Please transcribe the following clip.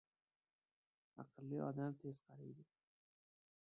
• Aqlli odam tez qariydi.